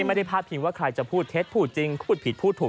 พาดพิงว่าใครจะพูดเท็จพูดจริงพูดผิดพูดถูก